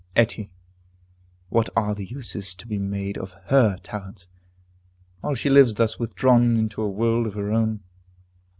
Etty, what are the uses to be made of her talents, while she lives thus withdrawn into a world of her own?